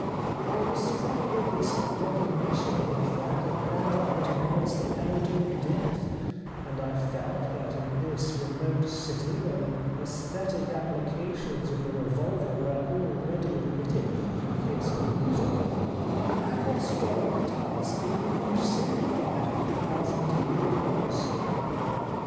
I was struck with this recognition of the fact that bad art merits the penalty of death, and I felt that in this remote city, where the aesthetic applications of the re volver were already admitted in the case of music, my apostolic task would be much simpli fied, as indeed it was."